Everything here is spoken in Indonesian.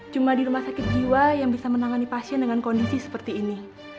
cuma di rumah sakit jiwa yang bisa menangani pasien dengan kondisi seperti ini